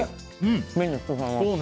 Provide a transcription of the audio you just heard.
麺の太さも。